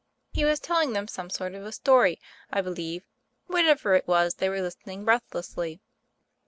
He was telling them some sort of a story, I believe ; whatever it was, they were listening breathlessly.